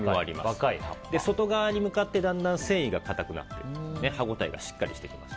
外側に向かってだんだん繊維が硬くなって歯応えがしっかりしてきます。